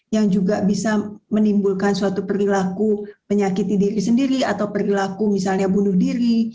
yang juga bisa menimbulkan suatu perilaku penyakiti diri sendiri atau perilaku misalnya bunuh diri